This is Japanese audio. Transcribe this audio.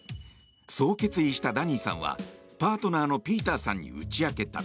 そう決意したダニーさんはパートナーのピーターさんに打ち明けた。